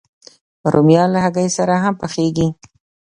رومیان له هګۍ سره هم پخېږي